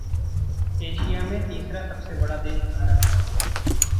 Asia में तीसरा सबसे बड़ा देश भारत है।